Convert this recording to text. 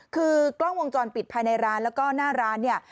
คือกล้องวงจรปิดภายในร้านแล้วก็หน้าร้านเนี่ย